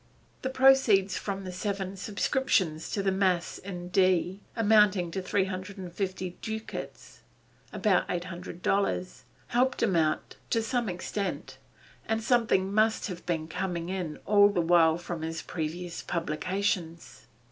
The proceeds from the seven subscriptions to the Mass in D, amounting to three hundred and fifty ducats (about eight hundred dollars) helped him out to some extent, and something must have been coming in all the while from his previous publications.